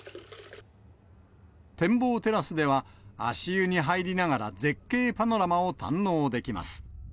展望テラスでは、足湯に入りながら、絶景パノラマを堪能できます。